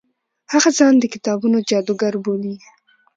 هغه ځان د کتابونو جادوګر بولي.